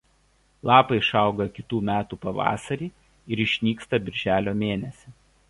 Lapai išauga kitų metų pavasarį ir nunyksta birželio mėnesį.